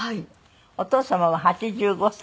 お父様は８５歳？